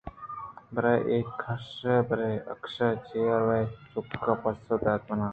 برے اے کش ءُ برے آکش چیا رَوَئے؟ چُک ءَ پسّہ دات امّاں